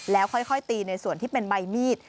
แล้วค่อยตีในส่วนที่เป็นใบมีด